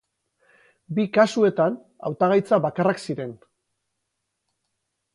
Bi kasuetan, hautagaitza bakarrak ziren.